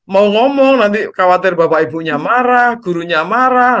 mau ngomong nanti khawatir bapak ibunya marah gurunya marah